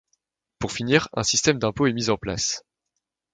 Pour finir, un système d’impôts est mis en place.